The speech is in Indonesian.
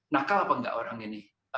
nakal apa enggak orang ini